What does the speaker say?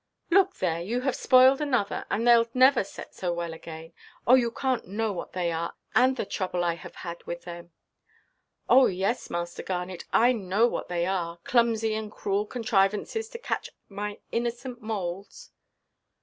"Look there, you have spoiled another! And theyʼll never set so well again. Oh, you canʼt know what they are, and the trouble I have had with them." "Oh yes, Master Garnet, I know what they are; clumsy and cruel contrivances to catch my innocent moles."